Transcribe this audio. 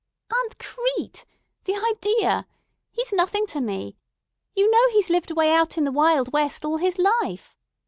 "Aunt Crete! The idea! He's nothing to me. You know he's lived away out in the wild West all his life.